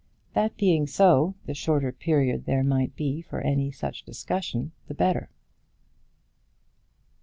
That being so, the shorter period there might be for any such discussion the better.